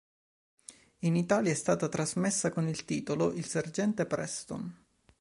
In Italia è stata trasmessa con il titolo "Il sergente Preston".